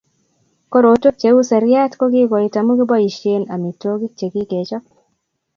Korotwek cheu seryat kokikoit amu kiboisie amitwogik chekikechop